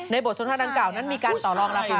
ในบทสนธาตอนหนึ่งมีการต่อลองราคา